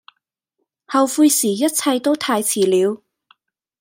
後悔時一切都太遲了